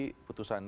ketika ini putusan